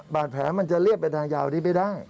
บาดแผลมันจะเรียบไปทางยาวนี้ไม่ได้